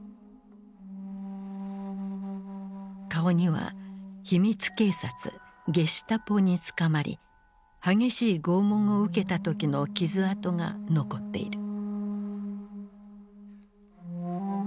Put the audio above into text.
顔には秘密警察ゲシュタポに捕まり激しい拷問を受けた時の傷痕が残っている。